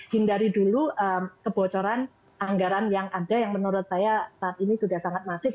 hindari dulu kebocoran anggaran yang ada yang menurut saya saat ini sudah sangat masif